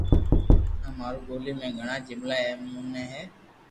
آ مارو ٻولي ۾ گھڙا جملا اي مون ٺي ھي